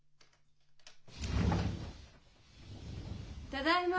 ただいま！